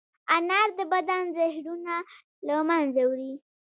انار د بدن زهرونه له منځه وړي.